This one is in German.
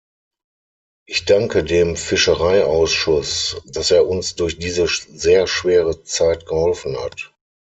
Ich danke dem Fischereiausschuss, dass er uns durch diese sehr schwere Zeit geholfen hat.